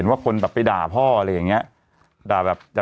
สวัสดีครับคุณผู้ชม